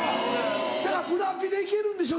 だからブラピでいけるんでしょ